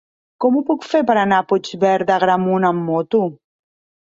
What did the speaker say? Com ho puc fer per anar a Puigverd d'Agramunt amb moto?